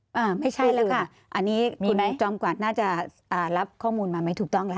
ไม่ใช่แล้วค่ะอันนี้คุณจอมกวาดน่าจะอ่ารับข้อมูลมาไม่ถูกต้องแล้ว